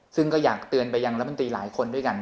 ซึ่งก็อยากเตือนไปยังรัฐมนตรีหลายคนด้วยกัน